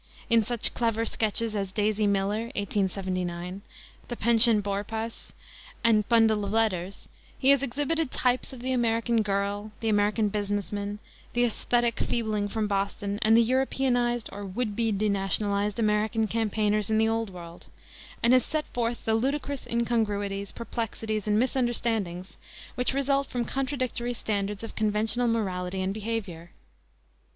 In such clever sketches as Daisy Miller, 1879, the Pension Beaurepas, and A Bundle of Letters, he has exhibited types of the American girl, the American business man, the aesthetic feebling from Boston, and the Europeanized or would be denationalized American campaigners in the Old World, and has set forth the ludicrous incongruities, perplexities, and misunderstandings which result from contradictory standards of conventional morality and behavior.